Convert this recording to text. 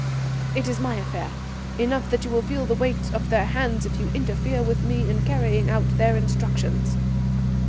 "It is my affair. Enough that you will feel the weight of their hands if you interfere with me in carrying out their instructions."